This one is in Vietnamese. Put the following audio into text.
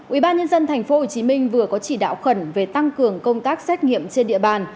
ủy ban nhân dân tp hcm vừa có chỉ đạo khẩn về tăng cường công tác xét nghiệm trên địa bàn